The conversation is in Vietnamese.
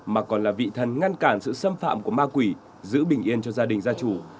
mà còn là vị thần ngăn cản sự xâm phạm của ma quỷ giữ bình yên cho gia đình gia chủ